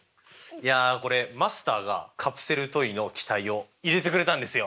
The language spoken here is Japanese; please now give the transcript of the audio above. いやこれマスターがカプセルトイの機械を入れてくれたんですよ！